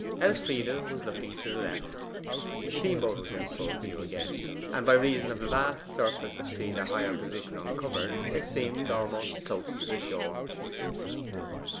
Elfride was looking to the left. The steamboat was in full view again, and by reason of the vast surface of sea their higher position uncovered it seemed almost close to the shore.